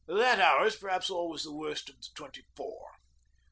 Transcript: That hour is perhaps always the worst of the twenty four.